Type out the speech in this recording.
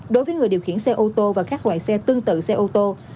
đối với người điều khiển xe ô tô và các loại xe tương tự xe ô tô